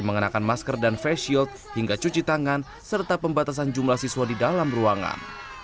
mengenakan masker dan face shield hingga cuci tangan serta pembatasan jumlah siswa di dalam ruangan